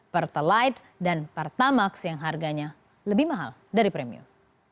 pertalite dan pertamax yang harganya lebih mahal dari premium